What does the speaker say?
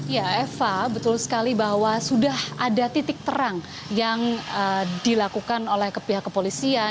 ya eva betul sekali bahwa sudah ada titik terang yang dilakukan oleh pihak kepolisian